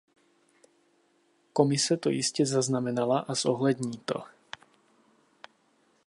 Komise to jistě zaznamenala a zohlední to.